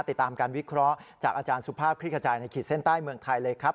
ติดตามการวิเคราะห์จากอาจารย์สุภาพคลิกขจายในขีดเส้นใต้เมืองไทยเลยครับ